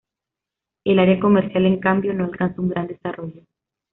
El área comercial, en cambio, no alcanza un gran desarrollo.